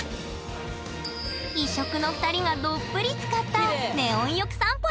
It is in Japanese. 異色の２人がどっぷりつかったネオン浴散歩でした！